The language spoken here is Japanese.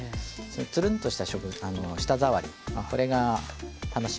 つるんとした舌触りそれが楽しめます。